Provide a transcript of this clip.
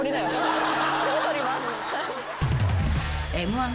すぐ撮ります。